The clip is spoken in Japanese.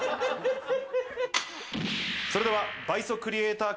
それは倍速クリエイター